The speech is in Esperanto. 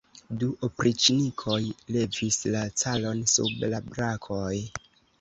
Du opriĉnikoj levis la caron sub la brakoj.